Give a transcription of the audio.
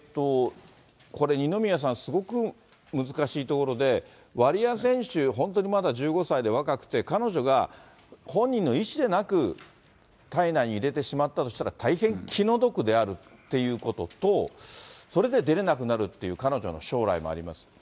これ、二宮さん、すごく難しいところで、ワリエワ選手、本当にまだ１５歳で若くて、彼女が本人の意思でなく、体内に入れてしまったとしたら、大変気の毒であるっていうことと、それで出れなくなるということの、彼女の将来もあります。